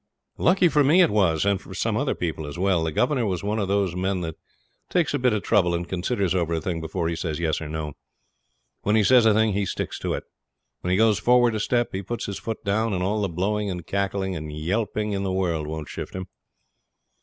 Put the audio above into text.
Lucky for me it was, and for some other people as well, the Governor was one of those men that takes a bit of trouble and considers over a thing before he says yes or no. When he says a thing he sticks to it. When he goes forward a step he puts his foot down, and all the blowing, and cackle, and yelping in the world won't shift him.